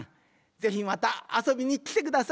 ぜひまたあそびにきてください。